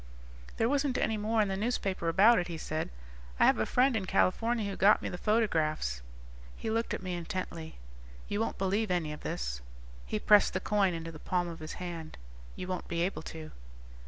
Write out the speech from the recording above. "There wasn't any more in the newspapers about it," he said. "I have a friend in California who got me the photographs." _He looked at me intently. "You won't believe any of this." He pressed the coin into the palm of his hand. "You won't be able to."